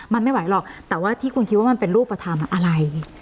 มันไม่ไหวหรอกแต่ว่าที่คุณคิดว่ามันเป็นรูปธรรมอะไร